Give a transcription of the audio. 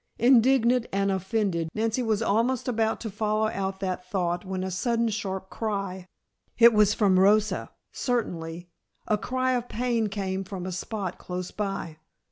Indignant and offended, Nancy was almost about to follow out that thought when a sudden sharp cry it was from Rosa certainly a cry of pain came from a spot close by.